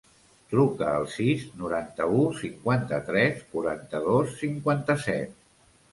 Truca al sis, noranta-u, cinquanta-tres, quaranta-dos, cinquanta-set.